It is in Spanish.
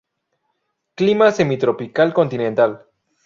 Clima semitropical continental.